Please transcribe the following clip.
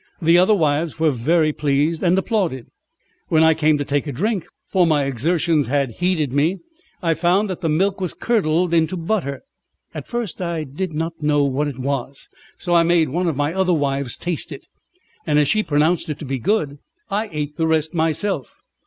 The other wives were very pleased and applauded. When I came to take a drink, for my exertions had heated me, I found that the milk was curdled into butter. At first I did not know what it was, so I made one of my other wives taste it, and as she pronounced it to be good, I ate the rest myself.